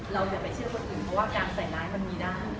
อย่าไปเชื่อคนอื่นเพราะว่าการใส่ร้ายมันมีได้